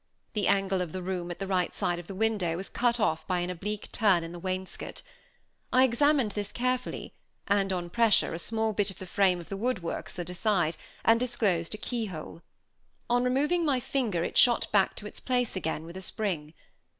The angle of the room at the right side of the window was cut off by an oblique turn in the wainscot. I examined this carefully, and, on pressure, a small bit of the frame of the woodwork slid aside, and disclosed a key hole. On removing my finger, it shot back to its place again, with a spring.